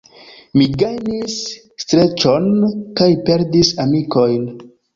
Mi gajnis streĉon kaj perdis amikojn.